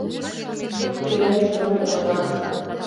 Кушко илен шуын улына?!